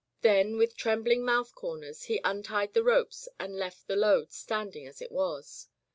Then with trembling mouth corners he un tied the ropes and left the load standing as it was.